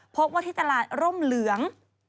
พบว่าที่ตลาดร่มเหลือง